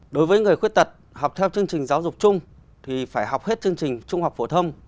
đối với người khuyết tật học theo chương trình giáo dục chung thì phải học hết chương trình trung học phổ thông